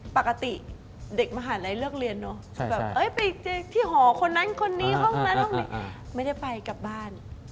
ปกติเด็กมหาลัยเลือกเรียนเนอะไปที่หอคนนั้นคนนี้ไม่ได้ไปกลับบ้าน